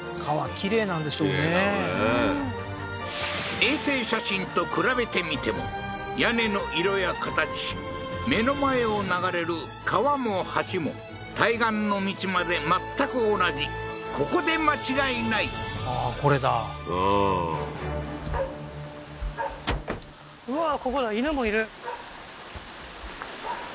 きれいだろうね衛星写真と比べてみても屋根の色や形目の前を流れる川も橋も対岸の道まで全く同じここで間違いないああーこれだああーははは